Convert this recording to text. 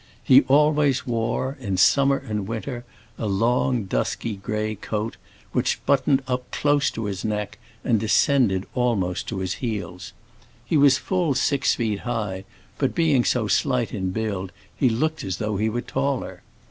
He always wore, in summer and winter, a long dusky gray coat, which buttoned close up to his neck and descended almost to his heels. He was full six feet high, but being so slight in build, he looked as though he were taller.